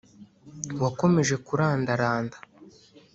wakomeje kurandaranda